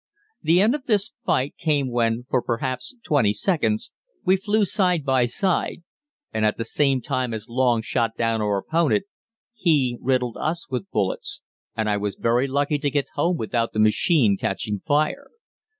The end of this fight came when, for perhaps twenty seconds, we flew side by side, and at the same time as Long shot down our opponent, he riddled us with bullets, and I was very lucky to get home without the machine catching fire.